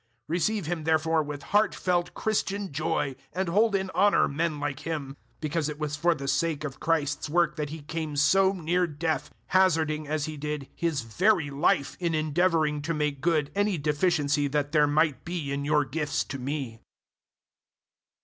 002:029 Receive him therefore with heartfelt Christian joy, and hold in honour men like him; 002:030 because it was for the sake of Christ's work that he came so near death, hazarding, as he did, his very life in endeavouring to make good any deficiency that there might be in your gifts to me.